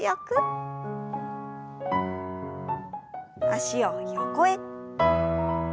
脚を横へ。